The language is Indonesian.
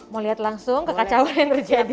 mau lihat langsung kekacauan yang terjadi